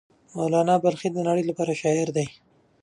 مولانا بلخي د نړۍ لپاره شاعر دی.